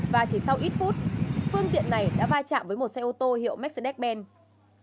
và chỉ sau ít phút phương tiện này đã vai trạm với một xe ô tô hiệu mercedes benz